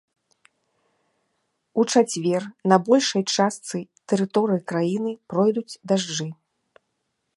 У чацвер на большай частцы тэрыторыі краіны пройдуць дажджы.